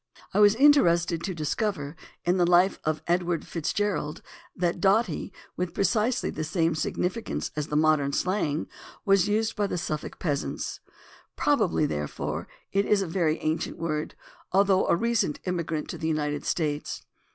I was interested to dis cover in the Life of Edward Fitzgerald that "dotty," with precisely the same significance as the modern slang, was used by the Suffolk peasants. Probably, therefore, it is a very ancient word, although a recent immigrant to the United States.